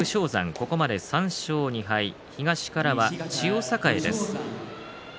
ここまで３勝２敗東からは千代栄です。